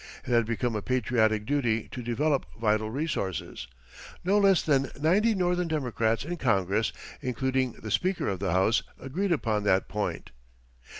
It had become a patriotic duty to develop vital resources. No less than ninety Northern Democrats in Congress, including the Speaker of the House, agreed upon that point.